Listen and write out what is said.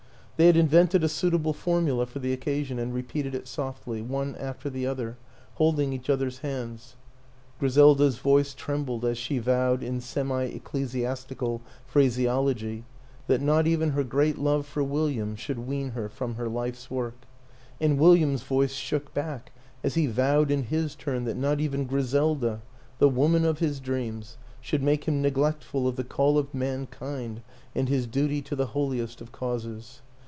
They had invented a suitable formula for the occasion and repeated it softly, one after the other, holding each other's hands. Griselda's voice trembled as she vowed, in semi ecclesiastical phraseology, that not even her great love for William should wean her from her life's work ; and William's voice shook back as he vowed in his turn that not even Gri selda, the woman of his dreams, should make him neglectful of the call of Mankind and his duty to WILLIAM AN ENGLISHMAN 29 the holiest of causes.